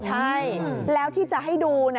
ใช่แล้วที่จะให้ดู